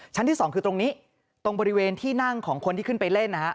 ที่สองคือตรงนี้ตรงบริเวณที่นั่งของคนที่ขึ้นไปเล่นนะฮะ